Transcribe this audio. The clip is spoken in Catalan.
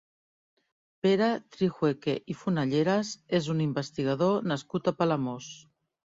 Pere Trijueque i Fonalleras és un investigador nascut a Palamós.